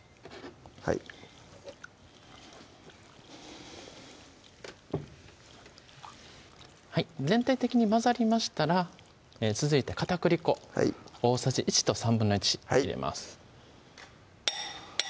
はい全体的に混ざりましたら続いて片栗粉大さじ１と１／３入れます